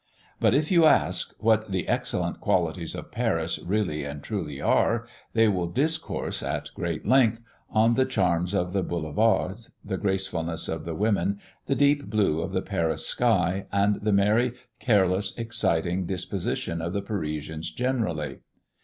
But if you ask, what the excellent qualities of Paris really and truly are, they will discourse, at great length, on the charms of the Boulevards, the gracefulness of the women, the deep blue of the Paris sky, and the merry, careless, exciting disposition of the Parisians generally.